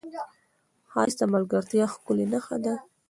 ښایست د ملګرتیا ښکلې نښه ده